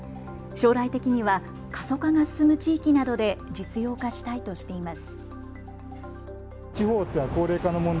将来的には過疎化が進む地域などで実用化したいとしています。